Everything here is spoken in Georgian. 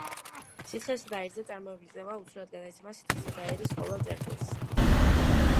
სითხესა და აირზე წარმოებული წნევა უცვლელად გადაეცემა სითხისა და აირის ყოველ წერტილს.